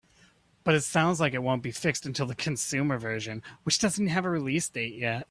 But it sounds like it won't be fixed until the consumer version, which doesn't have a release date yet.